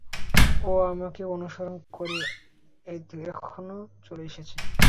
ও আমাদেরকে অনুসরণ করে এখানেও চলে এসেছে!